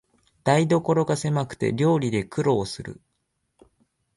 台所がせまくて料理で苦労する